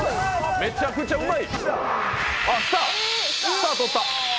めちゃくちゃうまい。